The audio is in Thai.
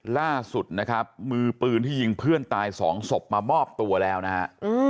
ล่าสุดนะครับมือปืนที่ยิงเพื่อนตายสองศพมามอบตัวแล้วนะฮะ